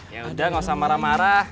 yaudah gak usah marah marah